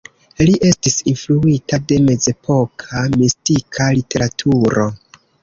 Li estis influita de mezepoka mistika literaturo.